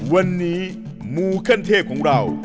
วันนี้มูขั้นเทพของเรา